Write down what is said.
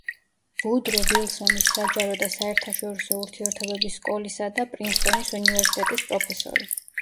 ვუდრო ვილსონის საჯარო და საერთაშორისო ურთიერთობების სკოლისა და პრინსტონის უნივერსიტეტის პროფესორი.